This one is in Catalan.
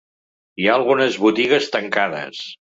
Hi ha algunes botigues tancades.